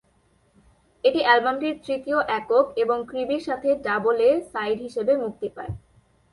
এটি অ্যালবামটির তৃতীয় একক এবং "ক্রিবি"র সাথে ডাবল এ-সাইড হিসেবে মুক্তি পায়।